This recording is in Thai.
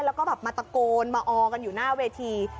แล้วก็แบบมาตะโกนมาออกันอยู่หน้าเวที